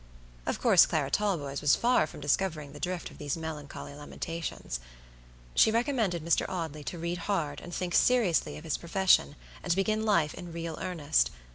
Of course, Clara Talboys was far from discovering the drift of these melancholy lamentations. She recommended Mr. Audley to read hard and think seriously of his profession, and begin life in real earnest.